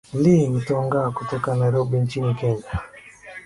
leah gitonga kutoka nairobi nchini kenya